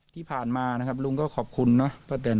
ที่ผ่านมานะครับลุงก็ขอบคุณเนอะพระเต็นนท์